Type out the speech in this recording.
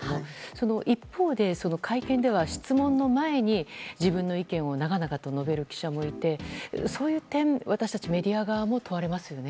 その一方で、会見では質問の前に自分の意見を長々と述べる記者もいてそういう点は私たちメディア側も問われますよね。